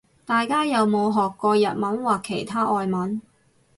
大家有冇學過日文或其他外文